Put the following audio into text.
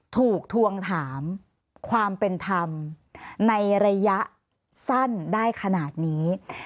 ทวงถามความเป็นธรรมในระยะสั้นได้ขนาดนี้